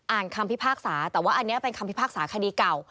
คำพิพากษาแต่ว่าอันนี้เป็นคำพิพากษาคดีเก่า